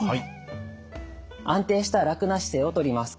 安定した楽な姿勢をとります。